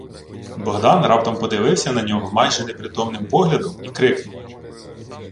Богдан раптом подивився на нього майже непритомним поглядом и крикнув: